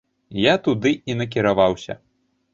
Я туды і накіраваўся.